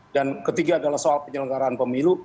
dan ketiga adalah soal penyelenggaraan pemilu